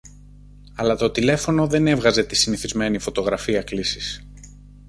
αλλά το τηλέφωνο δεν έβγαζε τη συνηθισμένη φωτογραφία κλήσης